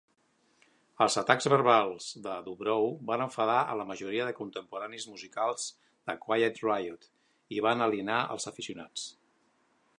Els atacs verbals de DuBrow van enfadar a la majoria de contemporanis musicals de Quiet Riot i van alienar els aficionats.